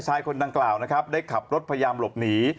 ชายคนดังกล่าวนะครับได้ขับรถพยายามหลบหนี